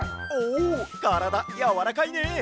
おからだやわらかいね！